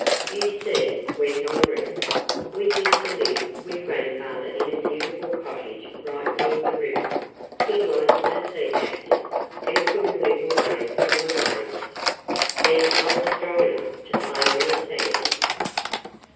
"You see," went on Wren, "we used to live with grandfather in a beautiful cottage right near the river. He was a sea captain, and couldn't live away from the waves. Then I was strong enough to play on the sands."